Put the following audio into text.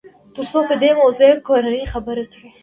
تر څو په دې موضوع يې کورنۍ خبره کړي.